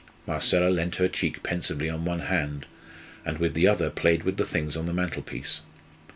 Marcella leant her cheek pensively on one hand, and with the other played with the things on the mantelpiece.